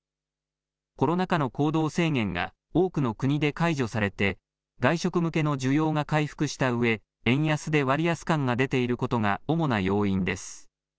コロナ禍の行動制限が、多くの国で解除されて、外食向けの需要が回復したうえ、円安で割安感が出ていることが主な要因です。